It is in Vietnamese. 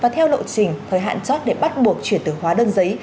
theo lộ trình thời hạn chót để bắt buộc chuyển từ hóa đơn giấy